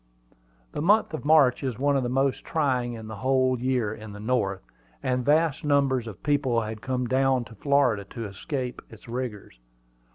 The month of March is one of the most trying in the whole year in the North, and vast numbers of people had come down to Florida to escape its rigors.